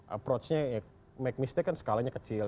approach nya ya make mistake kan skalanya kecil